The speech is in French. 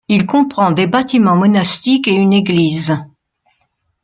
Il comprend des bâtiments monastiques et une église.